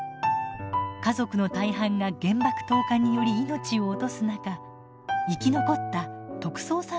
家族の大半が原爆投下により命を落とす中生き残った三さんが会ってくれました。